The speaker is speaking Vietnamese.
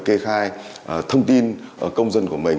kê khai thông tin công dân của mình